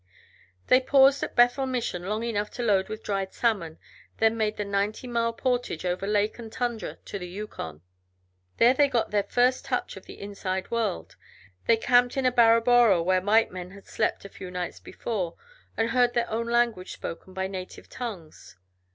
They paused at Bethel Mission long enough to load with dried salmon, then made the ninety mile portage over lake and tundra to the Yukon. There they got their first touch of the "inside" world. They camped in a barabora where white men had slept a few nights before, and heard their own language spoken by native tongues.